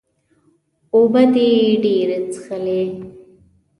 اوبۀ دې ډېرې څښي